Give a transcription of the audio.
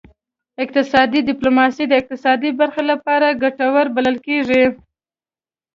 اقتصادي ډیپلوماسي د اقتصاد برخې لپاره ګټوره بلل کیږي